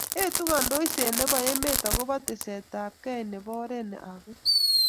eetu kandoiset nebo emet akobo tesetab kei nebo oret ab beek